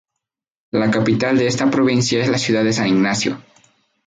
La capital de esta provincia es la ciudad de "San Ignacio".